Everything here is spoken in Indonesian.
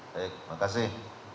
baik terima kasih